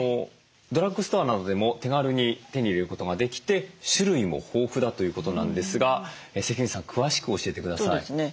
ドラッグストアなどでも手軽に手に入れることができて種類も豊富だということなんですが関口さん詳しく教えてください。